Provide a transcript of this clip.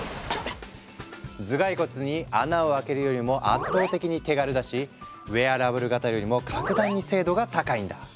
頭蓋骨に穴を開けるよりも圧倒的に手軽だしウェアラブル型よりも格段に精度が高いんだ。